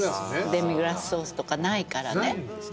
デミグラスソースとかないからね。